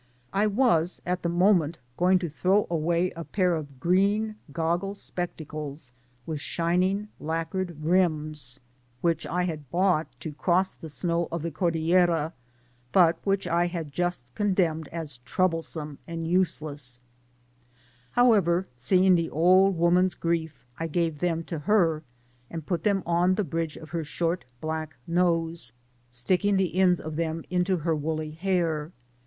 I was at the moment going to throw away a pair of green gc^gle spectacles, with joining, lackered rims, which I had bought to cross the snow of the Cor dillera, but which I had just condemned as trouble some and useless; however, seeing the old woman'^s grief, I gave them to her,, and put them on the bridge of her short black nose, sticking the ends of « them into her woolly hair.